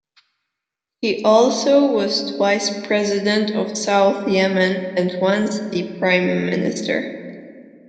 He also was twice president of South Yemen and once the Prime Minister.